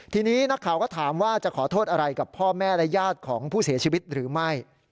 ทีนี้นักข่าวก็ถามว่าจะขอโทษอะไรกับพ่อแม่และญาติของผู้เสียชีวิตหรือไม่